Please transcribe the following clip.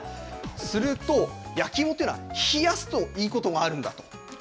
すると、焼き芋っていうのは、冷やすといいことがあるんだと。